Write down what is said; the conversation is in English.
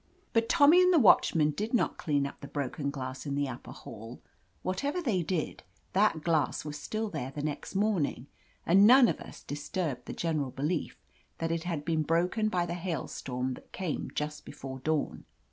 But Tommy and the watchman did not clean up the broken glass in the upper hall. What ever they did, that glass was still there the next morning, and none of us disturbed the general belief that it had been broken by the hail storm that came just before dawn.